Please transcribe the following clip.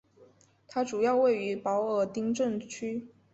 它主要位于保尔丁镇区。